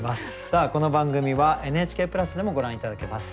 さあこの番組は「ＮＨＫプラス」でもご覧頂けます。